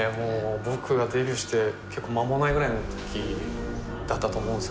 僕がデビューして結構間もないぐらいのときだったと思うんです